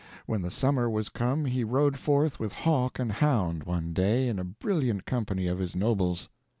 When the summer was come he rode forth with hawk and hound, one day, in a brilliant company of his nobles.